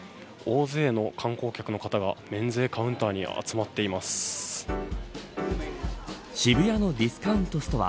大勢の観光客の方が免税カウンターに渋谷のディスカウントストア